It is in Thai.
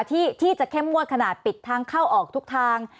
ที่จะเข้มงวดขนาดปิดทางเข้าออกทุกทาง